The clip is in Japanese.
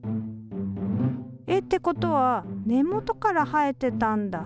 えってことは根元から生えてたんだ！